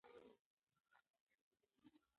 هغې ټیکری پر خپلو سپینو ویښتو په ډېر احتیاط سره سم کړ.